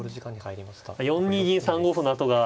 ４二銀３五歩のあとが。